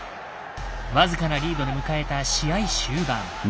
僅かなリードで迎えた試合終盤。